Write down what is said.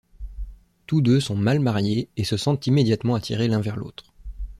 Tous deux sont mal mariés et se sentent immédiatement attirés l’un vers l’autre.